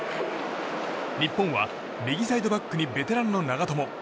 日本は右サイドバックにベテランの長友。